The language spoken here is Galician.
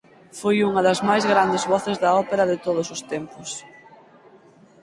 Foi unha das máis grandes voces da ópera de todos os tempos.